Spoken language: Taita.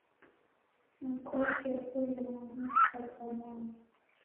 Mkwake olemwa ni kupata mwana